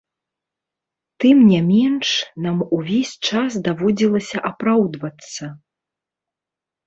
Тым не менш, нам увесь час даводзілася апраўдвацца.